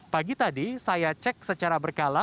pagi tadi saya cek secara berkala